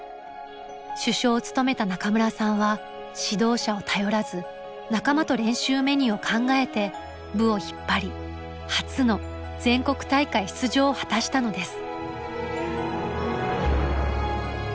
主将を務めた中村さんは指導者を頼らず仲間と練習メニューを考えて部を引っ張り初の全国大会出場を果たしたのです。